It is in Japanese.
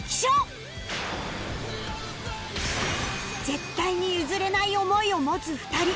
絶対に譲れない思いを持つ２人